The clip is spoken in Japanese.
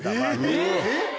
えっ⁉